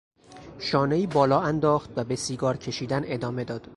شانهای بالا انداخت و به سیگار کشیدن ادامه داد.